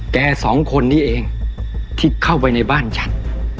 สองคนนี้เองที่เข้าไปในบ้านฉัน